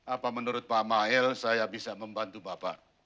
apa menurut pak mahil saya bisa membantu bapak